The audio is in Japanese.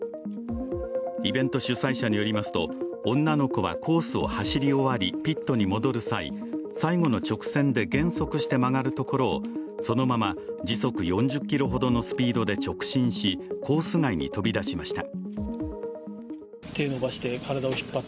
イベント主催者によりますと、女の子はコースを走り終わりピットに戻る際、最後の直線で減速して曲がるところをそのまま時速４０キロほどのスピードで直進し、コース外に飛び出しました。